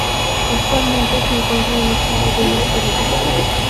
Actualmente se encuentra en estado de inactividad.